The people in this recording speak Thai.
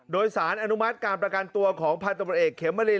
โดยสารอนุมัติการประกันตัวของพันธบริเอกเขมริน